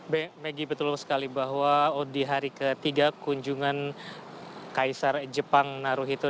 begitulah sekali bahwa di hari ketiga kunjungan kaisar jepang naruhito